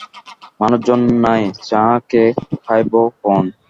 মানুষজন নাই, চা কে খাইব কন?